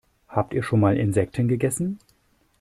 Habt ihr schon mal Insekten gegessen?